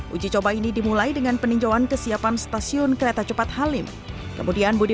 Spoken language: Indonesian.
uji coba ini dimulai dengan peninjauan kesiapan stasiun kereta cepat halim kemudian budi